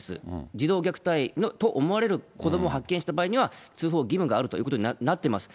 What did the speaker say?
児童虐待と思われる子どもを発見した場合には、通報義務があるということになってます。